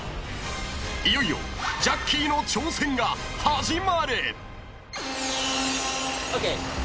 ［いよいよジャッキーの挑戦が始まる！］ＯＫ！